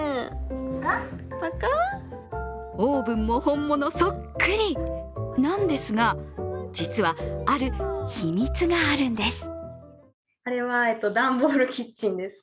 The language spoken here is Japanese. オーブンも本物そっくりなんですが、実は、ある秘密があるんです。